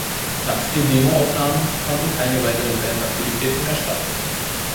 Nach vier Demoaufnahmen fanden keine weiteren Bandaktivitäten mehr statt.